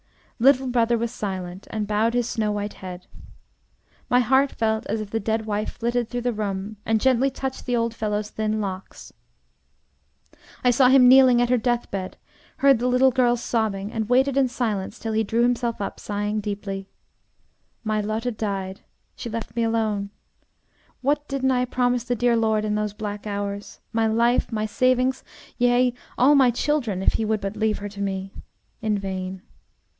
Little brother was silent, and bowed his snow white head. My heart felt as if the dead wife flitted through the room and gently touched the old fellow's thin locks. I saw him kneeling at her death bed, heard the little girls sobbing, and waited in silence till he drew himself up, sighing deeply: "My Lotte died; she left me alone. What didn't I promise the dear Lord in those black hours! My life, my savings, yea, all my children if He would but leave her to me. In vain.